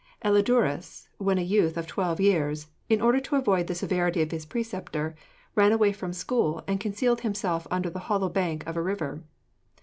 Elidurus, when a youth of twelve years, 'in order to avoid the severity of his preceptor,' ran away from school, 'and concealed himself under the hollow bank of a river.'